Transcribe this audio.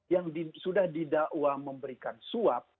yang sudah didakwa memberikan suap